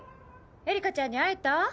エリカちゃんに会えた？